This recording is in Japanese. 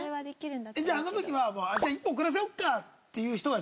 じゃああの時は「じゃあ１本遅らせようか」って言う人は。